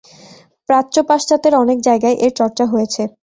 প্রাচ্য-পাশ্চাত্যের অনেক জায়গায় এর চর্চা হয়েছে।